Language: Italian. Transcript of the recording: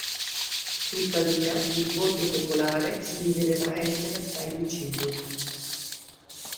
Tuttavia il voto popolare si rivelerà essere assai vicino.